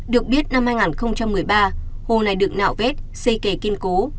được biết năm hai nghìn một mươi ba hồ này được nạo vét xây kề kiên cố